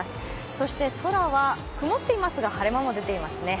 そして空は曇っていますが晴れ間も出ていますね。